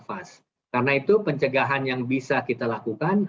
adalah penyebab penularan karena itu pencegahan yang bisa kita lakukan adalah